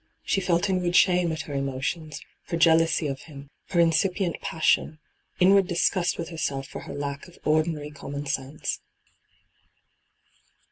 She felt inward shame at her emotions, her jealousy of him, her incipient passion, inward disgust with herself for her lack of ordinary common senae.